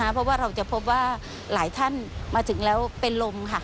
เพราะว่าเราจะพบว่าหลายท่านมาถึงแล้วเป็นลมค่ะ